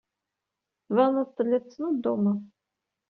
Tbaneḍ-d telliḍ tettnuddumeḍ.